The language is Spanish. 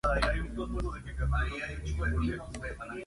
Su madre de origen latino y su padre de origen ruso.